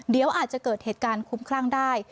เดี๋ยวอาจจะเกิดเหตุการณ์คุ้มคลั่งได้